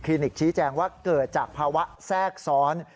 นิกชี้แจงว่าเกิดจากภาวะแทรกซ้อน